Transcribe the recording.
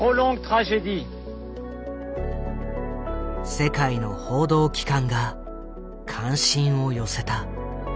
世界の報道機関が関心を寄せた。